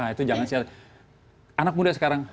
itu jangan siasat anak muda sekarang